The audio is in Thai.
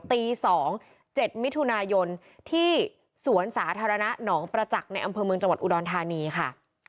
ตี๒๗มิถุนายนที่สวนสาธารณะหนองประจักษ์ในอำเภอเมืองจังหวัดอุดรธานีค่ะ